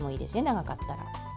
長かったら。